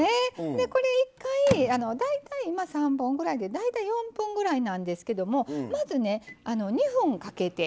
でこれ１回大体今３本ぐらいで大体４分ぐらいなんですけどもまずね２分かけて。